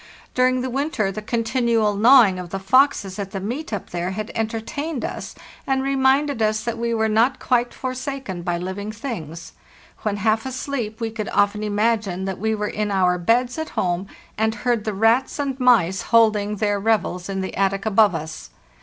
During the winter the continual gnawing of the foxes at the meat up there had entertained us, and reminded us that we were not quite forsaken by living things; when half asleep we could often imagine that we were in our beds at home and heard the rats and mice holding their rev 476 FARTHEST NORTH els in the attic above us.